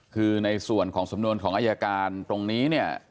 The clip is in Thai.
คือในส่วนของสมนวนของอายการตรงนี้